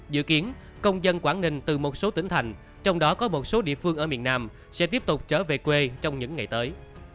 dự kiến công dân quảng ninh từ một số tỉnh thành trong đó có một số địa phương ở miền nam sẽ tiếp tục trở về quê trong những ngày tới